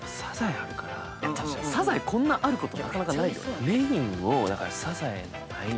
サザエこんなあることなかなかないよ。